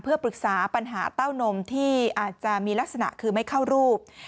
เพื่อปรึกษาปัญหาเต้านมที่อาจจะมีลักษณะคือไม่เข้ารูป